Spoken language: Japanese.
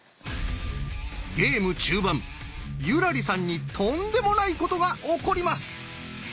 ゲーム中盤優良梨さんにとんでもないことが起こります！